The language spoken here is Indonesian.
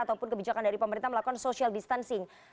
ataupun kebijakan dari pemerintah melakukan social distancing